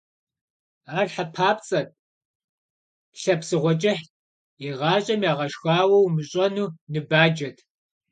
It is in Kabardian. Ар хьэ папцӀэт, лъэ псыгъуэ кӀыхьт, игъащӀэм ягъэшхауэ умыщӀэну ныбаджэт.